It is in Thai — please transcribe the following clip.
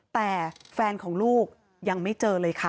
แต่แฟนของลูกยังไม่เจอเลยค่ะ